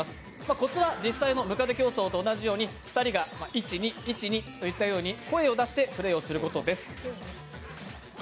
コツは実際のむかで競争と同じように、２人が１、２、１、２と声を出してプレーすることです。